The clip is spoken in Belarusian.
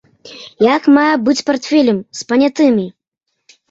Як мае быць з партфелем, з панятымі.